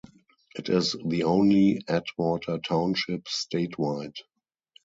It is the only Atwater Township statewide.